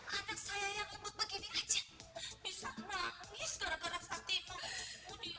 anak saya yang lembut begini aja bisa nangis karena fatimah